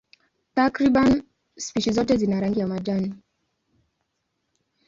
Takriban spishi zote zina rangi ya majani.